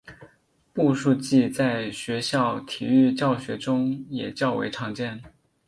步数计在学校体育教学中也较为常见。